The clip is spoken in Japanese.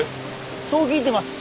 そう聞いてます。